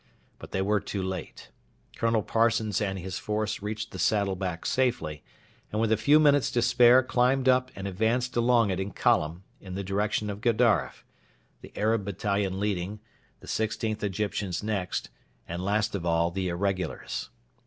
But they were too late. Colonel Parsons and his force reached the saddleback safely, and with a few minutes to spare climbed up and advanced along it in column in the direction of Gedaref the Arab battalion leading, the 16th Egyptians next, and last of all the irregulars.